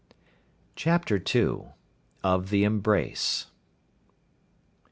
] CHAPTER II. OF THE EMBRACE.